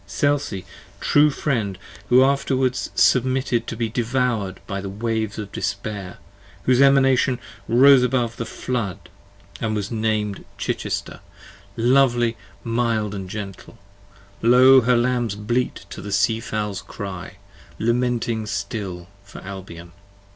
Selsey, true friend! who afterwards submitted to be devotir'd By the waves of Despair, whose Emanation rose above 50 The flood, and was nam'd Chichester, lovely mild & gentle! Lo! Her lambs bleat to the sea fowls' cry, lamenting still for Albion.